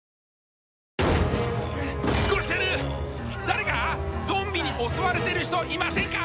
誰かゾンビに襲われてる人いませんか！？